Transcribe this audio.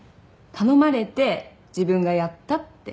頼まれて自分がやったって。